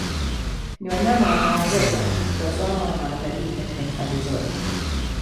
Ni wanyama wanaoongoza kutazamwa na watalii katika hifadhi zote